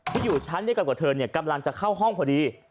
ที่อยู่ชั้นด้วยกับกับเธอเนี่ยกำลังจะเข้าห้องพอดี